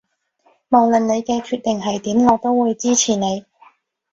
無論你嘅決定係點我都會支持你